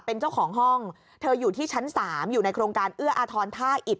เป็นเจ้าของห้องเธออยู่ที่ชั้น๓อยู่ในโครงการเอื้ออาทรท่าอิด